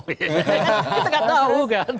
kita gak tahu